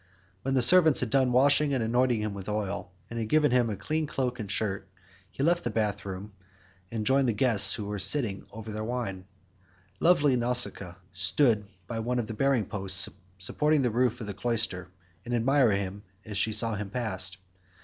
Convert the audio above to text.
When the servants had done washing and anointing him with oil, and had given him a clean cloak and shirt, he left the bath room and joined the guests who were sitting over their wine. Lovely Nausicaa stood by one of the bearing posts supporting the roof of the cloister, and admired him as she saw him pass.